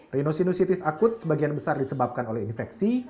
rhinosinusitis akut sebagian besar disebabkan oleh infeksi